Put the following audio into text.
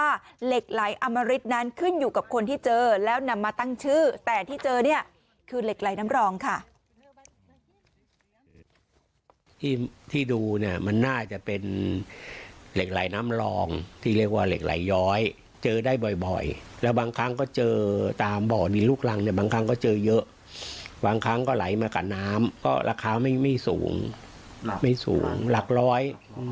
ที่ดูเนี่ยมันน่าจะเป็นเหล็กไหล่น้ำรองที่เรียกว่าเหล็กไหล่ย้อยเจอได้บ่อยแล้วบางครั้งก็เจอตามบ่อนิลุกรังเนี่ยบางครั้งก็เจอเยอะบางครั้งก็ไหลมากับน้ำก็ราคาไม่สูงไม่สูงหลักร้อย